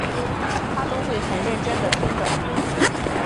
她都会很认真地听着